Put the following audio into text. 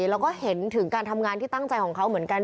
แล้วก็เห็นถึงการทำงานที่ตั้งใจของเขาเหมือนกัน